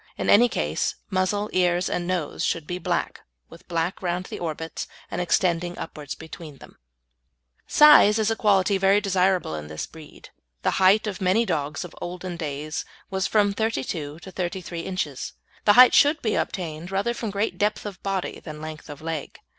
In any case, muzzle, ears, and nose should be black, with black round the orbits, and extending upwards between them. Size is a quality very desirable in this breed. The height of many dogs of olden days was from thirty two to thirty three inches. The height should be obtained rather from great depth of body than length of leg.